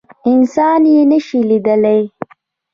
انسان يي نشي لیدلی